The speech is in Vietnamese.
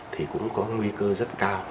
thì cũng có nguy cơ rất cao